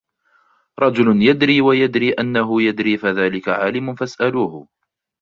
رَجُلٌ يَدْرِي وَيَدْرِي أَنَّهُ يَدْرِي فَذَلِكَ عَالِمٌ فَاسْأَلُوهُ